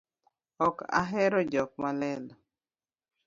Ok ahero jok malelo